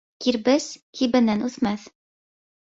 Кирбес кибенән үҫмәҫ.